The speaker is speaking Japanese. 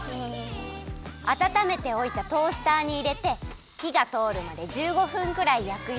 あたためておいたトースターにいれてひがとおるまで１５分くらいやくよ。